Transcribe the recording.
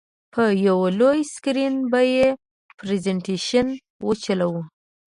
په یو لوی سکرین به یې پرزینټېشن وچلوو.